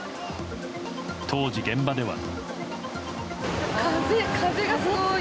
当時、現場では。